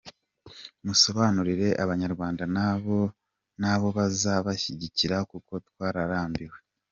musobanurire abanyarwanda nabo bazabashyigikira kuko twararambiwe.